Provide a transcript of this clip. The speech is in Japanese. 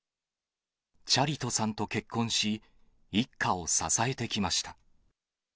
チャリトさんと結婚し、一家を支えてきました。